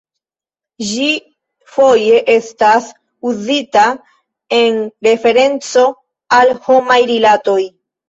Ĝi foje estas uzita en referenco al homaj rilatoj.